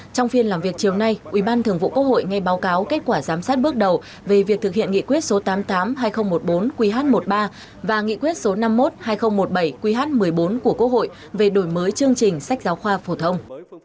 trong phiên làm việc chiều nay ủy ban thường vụ quốc hội ngay báo cáo kết quả giám sát bước đầu về việc thực hiện nghị quyết số tám mươi tám hai nghìn một mươi bốn qh một mươi ba và nghị quyết số năm mươi một hai nghìn một mươi bảy qh một mươi bốn của quốc hội về đổi mới chương trình sách giáo khoa phổ thông